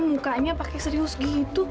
mukanya pake serius gitu